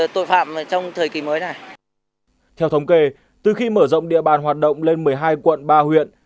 theo thống kê từ khi mở rộng địa bàn hoạt động lên một mươi hai quận ba huyện